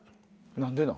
何でなん？